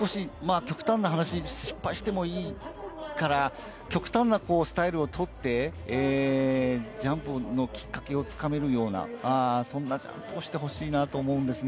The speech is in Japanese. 極端な話、失敗してもいいから、極端なスタイルをとってジャンプのきっかけを掴めるような、そんなジャンプをしてほしいなと思うんですよね。